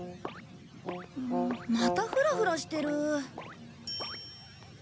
またフラフラしてる。